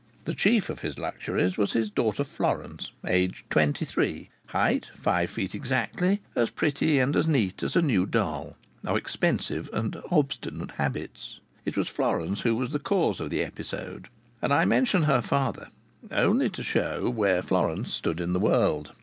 The chief of his luxuries was his daughter Florence, aged twenty three, height five feet exactly, as pretty and as neat as a new doll, of expensive and obstinate habits. It was Florence who was the cause of the episode, and I mention her father only to show where Florence stood in the world.